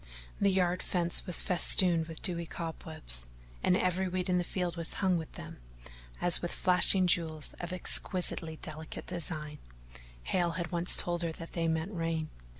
The yard fence was festooned with dewy cobwebs, and every weed in the field was hung with them as with flashing jewels of exquisitely delicate design: Hale had once told her that they meant rain.